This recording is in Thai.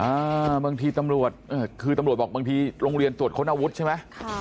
อ่าบางทีตำรวจเอ่อคือตำรวจบอกบางทีโรงเรียนตรวจค้นอาวุธใช่ไหมค่ะ